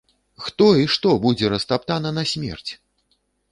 Хто і што будзе растаптана насмерць?!